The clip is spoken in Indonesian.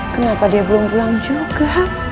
kenapa dia belum pulang juga